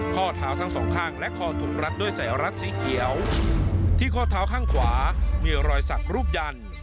ข้อเท้าทั้งสองข้างและคอถูกรัดด้วยสายรัดสีเขียวที่ข้อเท้าข้างขวามีรอยสักรูปยัน